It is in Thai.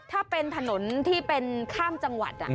ถ้าเป็นถนนที่เป็นข้ามจังหวัด